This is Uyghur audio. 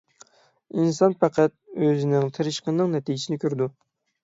ئىنسان پەقەت ئۆزىنىڭ تىرىشقىنىنىڭ نەتىجىسىنى كۆرىدۇ.